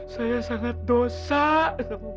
saya sangat dosa sama bapak dan ibu